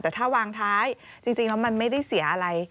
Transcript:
แต่ถ้าวางท้ายจริงแล้วมันไม่ได้เสียอะไร